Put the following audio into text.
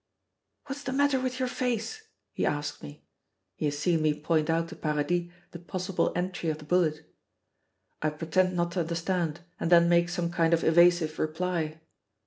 "What's the matter with your face?" he asks me he has seen me point out to Paradis the possible entry of the bullet. I pretend not to understand and then make some kind of evasive reply.